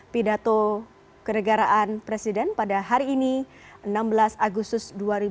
pidato kenegaraan presiden pada hari ini enam belas agustus dua ribu dua puluh